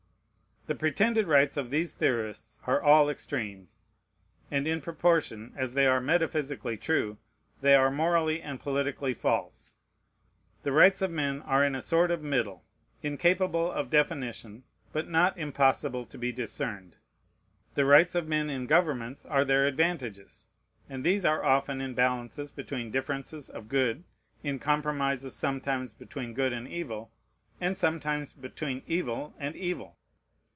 The pretended rights of these theorists are all extremes; and in proportion as they are metaphysically true, they are morally and politically false. The rights of men are in a sort of middle, incapable of definition, but not impossible to be discerned. The rights of men in governments are their advantages; and these are often in balances between differences of good, in compromises sometimes between good and evil, and sometimes between evil and evil.